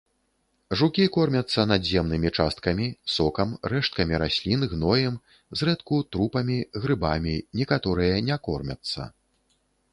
Жукі кормяцца надземнымі часткамі, сокам, рэшткамі раслін, гноем, зрэдку трупамі, грыбамі, некаторыя не кормяцца.